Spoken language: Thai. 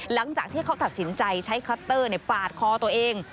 หลังจากที่เขาตัดสินใจใช้คัตเตอร์ปาดคอตัวเอง